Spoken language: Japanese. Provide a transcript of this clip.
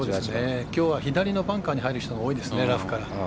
きょうは左のバンカーに入る人が多いです、ラフから。